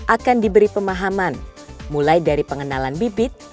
akan diberi pemahaman mulai dari pengenalan bibit